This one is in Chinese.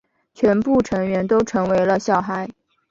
全部成员都成为了小孩。